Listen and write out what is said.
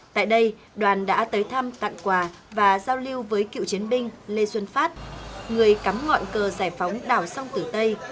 tại đây đoàn đã tới thăm tặng quà và giao lưu với cựu chiến binh lê xuân phát người cắm ngọn cờ giải phóng đảo sông tử tây